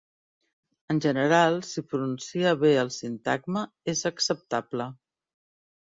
En general, si pronuncie bé el sintagma, és acceptable.